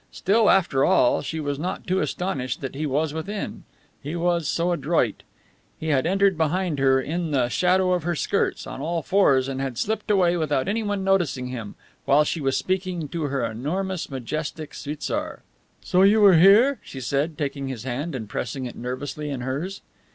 Still, after all, she was not too astonished that he was within. He was so adroit! He had entered behind her, in the shadow of her skirts, on all fours, and had slipped away without anyone noticing him, while she was speaking to her enormous, majestic schwitzar. "So you were here?" she said, taking his hand and pressing it nervously in hers.